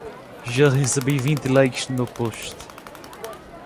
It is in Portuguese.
Já recebi vinte likes no meu post